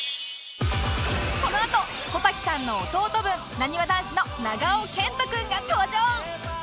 このあと小瀧さんの弟分なにわ男子の長尾謙杜君が登場！